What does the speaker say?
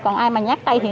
còn ai mà nhát tay thì